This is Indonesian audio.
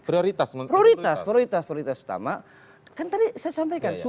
prioritas prioritas prioritas prioritas utama kan tadi saya sampaikan